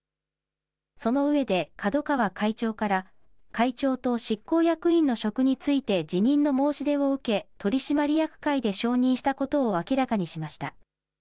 その上で角川会長から、会長と執行役員の職について辞任の申し出を受け、取締役会で承認したことを明らかにしました。